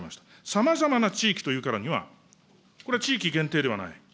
さまざまな地域と言うからには、これ、地域限定ではない。